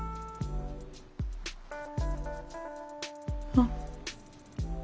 あっ。